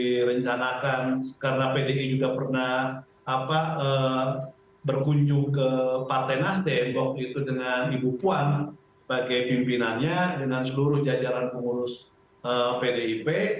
makanya langkah yang dilakukan pak surya bersama ali dan nanti memang direncanakan karena pdi juga pernah berkunjung ke partai nasdeh waktu itu dengan ibu puan bagai pimpinannya dengan seluruh jajaran pengurus pdip